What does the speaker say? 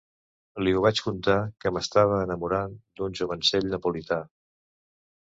Li ho vaig contar, que m'estava enamorant d'un jovencell napolità...